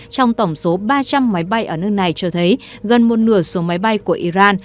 trong tổng số ba trăm linh máy bay ở nước này cho thấy gần một nửa số máy bay của iran